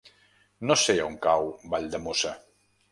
No sé on cau Valldemossa.